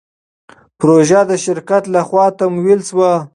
پروژه د شرکت له خوا تمویل شوه.